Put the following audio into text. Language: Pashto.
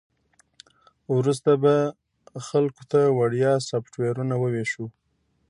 وروسته به خلکو ته وړیا سافټویرونه وویشو